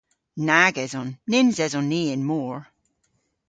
Nag eson. Nyns eson ni y'n mor.